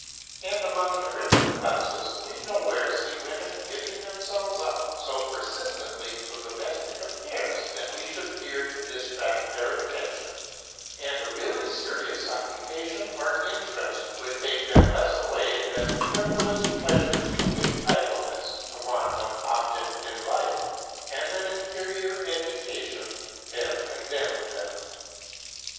And, among the richer classes, we nowhere see women giving themselves up so persistently to domestic affairs that we should fear to distract their attention; and a really serious occupation or interest would take them less away than the frivolous pleasures to which idleness, a want of object in life, and an inferior education have condemned them.